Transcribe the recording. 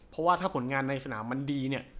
เพราะว่าถ้าผลงานในสนามมันดีเนี่ย